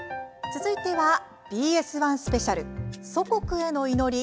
続いてはＢＳ１スペシャル「祖国への祈り